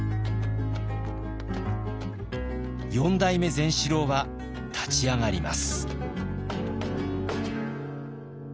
４代目善四郎は立ち上がります。